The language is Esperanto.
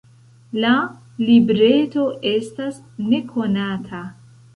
La libreto estas nekonata.